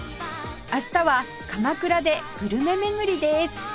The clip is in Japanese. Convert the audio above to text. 明日は鎌倉でグルメ巡りです